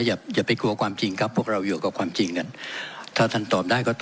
ว่าให้อย่าไปกลัวความจริงครับ